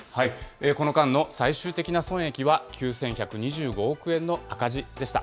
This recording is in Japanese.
この間の最終的な損益は９１２５億円の赤字でした。